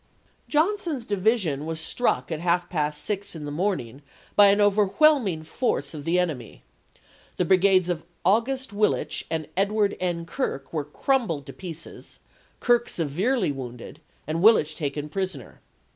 Johnson's division was struck at half past six in the morning by an overwhelming force of the enemy ; the brigades of August Willich and Edward N. Kirk were crumbled to pieces, Kirk severely wounded, and Willich taken prisoner.